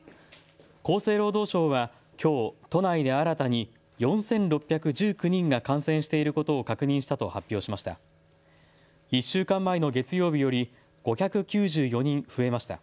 厚生労働省はきょう都内で新たに４６１９人が感染していることを確認したと発表しました。